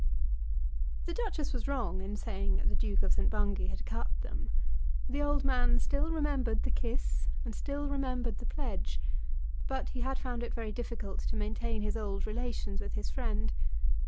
The Duchess was wrong in saying that the Duke of St. Bungay had cut them. The old man still remembered the kiss and still remembered the pledge. But he had found it very difficult to maintain his old relations with his friend.